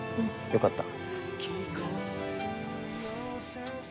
よかった。